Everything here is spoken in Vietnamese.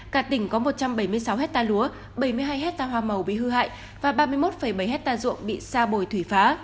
cả tỉnh có một trăm bảy mươi sáu hectare lúa bảy mươi hai hectare hoa màu bị hư hại và ba mươi một bảy hectare ruộng bị sa bồi thủy phá